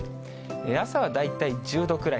朝は大体１０度くらい。